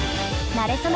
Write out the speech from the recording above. なれそめ！